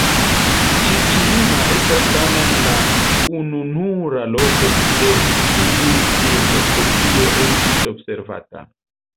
Ĉiĉi-jima estas tamen la ununura loko kie tiu birdospecio estis observata.